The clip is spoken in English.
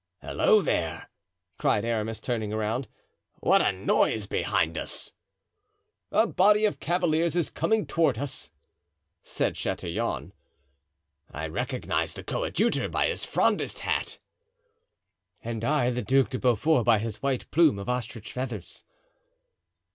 "Halloo, there!" cried Aramis, turning around; "what a noise behind us!" "A body of cavaliers is coming toward us," said Chatillon. "I recognize the coadjutor by his Frondist hat." "And I the Duc de Beaufort by his white plume of ostrich feathers."